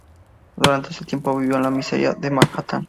Durante ese tiempo vivió en la miseria de Manhattan.